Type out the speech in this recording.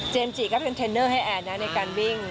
เจมส์จีก็เป็นเทรนเนอร์ให้แอนด์ในการวิ่ง